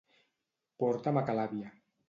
Porta'm a ca l'àvia.